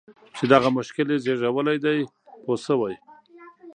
چې دغه مشکل یې زېږولی دی پوه شوې!.